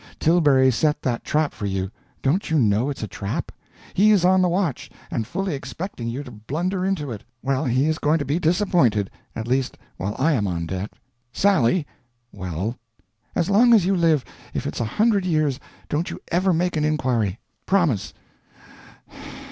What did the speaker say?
Tilbury set that trap for you. Don't you know it's a trap? He is on the watch, and fully expecting you to blunder into it. Well, he is going to be disappointed at least while I am on deck. Sally!" "Well?" "As long as you live, if it's a hundred years, don't you ever make an inquiry. Promise!"